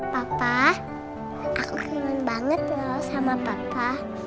papa aku kangen banget loh sama papa